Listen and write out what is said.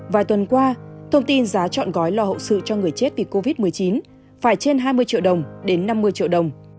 vài tuần qua thông tin giá chọn gói lo hậu sự cho người chết vì covid một mươi chín phải trên hai mươi triệu đồng đến năm mươi triệu đồng